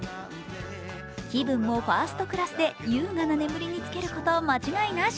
気分のファーストクラスで優雅な眠りにつけること間違いなし！